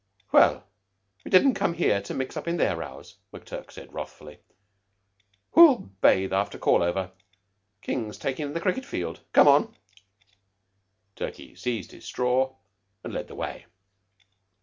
"Well, we didn't come here to mix up in their rows," McTurk said wrathfully. "Who'll bathe after call over? King's takin' it in the cricket field. Come on." Turkey seized his straw and led the way.